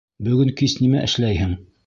Бөгөн кис нимә эшләйһең?